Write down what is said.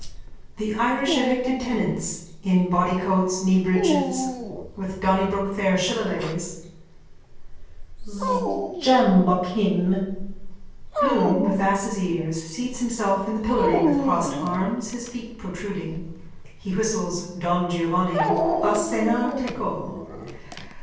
THE IRISH EVICTED TENANTS: (In bodycoats, kneebreeches, with Donnybrook fair shillelaghs.) Sjambok him! (Bloom with asses' ears seats himself in the pillory with crossed arms, his feet protruding. He whistles Don Giovanni, a cenar teco.